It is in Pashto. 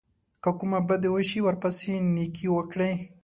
که کومه بدي وشي ورپسې نېکي وکړئ.